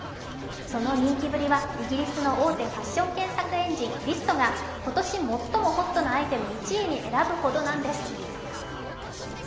その人気ぶりはイギリスの大手ファッション検索エンジンＬｙｓｔが、今年最もホットなアイテム１位に選ぶほどなんです。